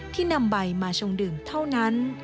นำใบมาชงดื่มเท่านั้น